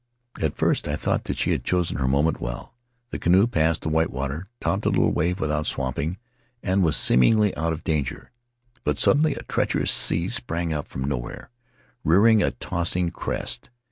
At first I thought that she had chosen her moment well. The canoe passed the white water, topped a little wave without swamping, and was seemingly out of danger; but suddenly a treacherous sea sprang up from nowhere, rearing a tossing crest.